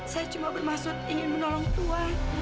saya cuma bermaksud ingin menolong tua